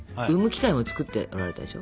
機械も作っておられたでしょ？